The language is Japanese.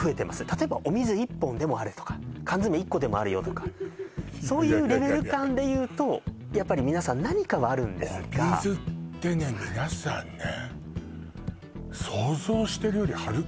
例えばお水１本でもあるとか缶詰１個でもあるよとかそういうレベル感でいうといやいややっぱり皆さん何かはあるんですが皆さんねだからね１人暮らしでだよ何かね